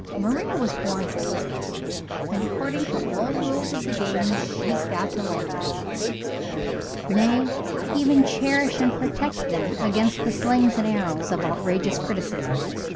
Maria was born to hers, and according to all the rules of the game she's got to like them, nay, even cherish and protect them against the slings and arrows of outrageous criticism.